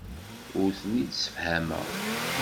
Ur ten-id-ssefhameɣ.